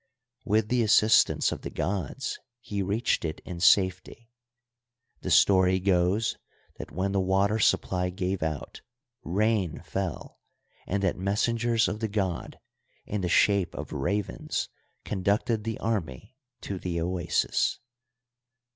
With the assistance of the gods he reached it in safety; the story goes that when the water supply gave out rain fell and that messengers of the god in the shape of ravens conducted the army to the oasis.